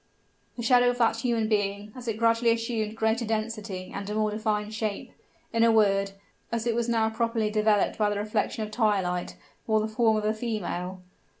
The shadow of that human being, as it gradually assumed greater density and a more defined shape in a word, as it was now properly developed by the reflection of twilight wore the form of a female!